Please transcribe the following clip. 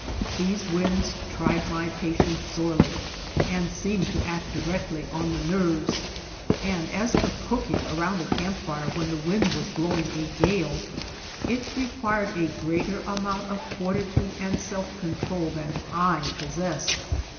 These winds tried my patience sorely and seemed to act directly on the nerves; and as for cooking around a camp fire when the wind was blowing a gale, it required a greater amount of fortitude and self control than I possessed.